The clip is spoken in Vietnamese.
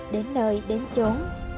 đến nơi đến chốn